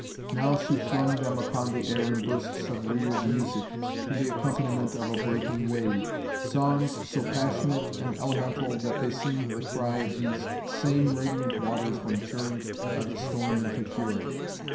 Now she flung them upon the air in bursts of weird music, to the accompaniment of a breaking wave, songs so passionate and elemental that they seemed the cry of these same radiant waters when churned by the storm into fury.